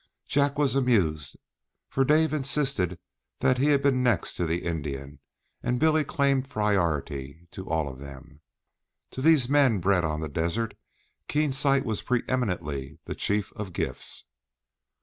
Jack was amused, for Dave insisted that he had been next to the Indian, and Billy claimed priority to all of them. To these men bred on the desert keen sight was preeminently the chief of gifts.